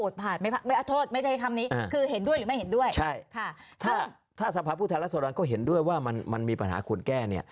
ถ้าสภาษณ์ผู้ทัลลักษณ์ก็เห็นด้วยว่ามันมีปัญหาควรแก้